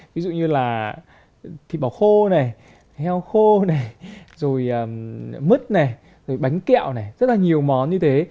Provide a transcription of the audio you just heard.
ví dụ như là thịt bảo khô này heo khô này rồi mứt này rồi bánh kẹo này rất là nhiều món như thế